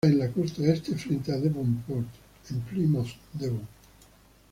Está en la costa este, frente a Devonport en Plymouth, Devon.